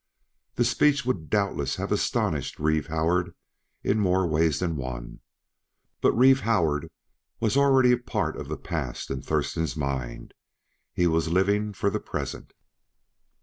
The speech would doubtless have astonished Reeve Howard in more ways than one; but Reeve Howard was already a part of the past in Thurston's mind. He was for living the present.